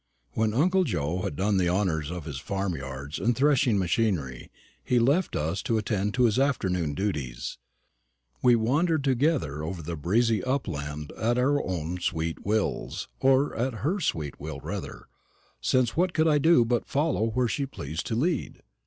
When uncle Joe had done the honours of his farm yards and threshing machinery, he left us to attend to his afternoon duties; and we wandered together over the breezy upland at our own sweet wills, or at her sweet will rather, since what could I do but follow where she pleased to lead?